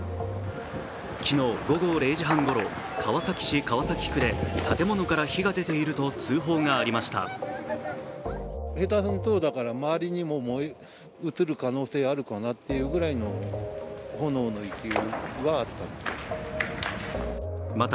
昨日午後０時半ごろ、川崎市川崎区で建物から火が出ていると通報がありました。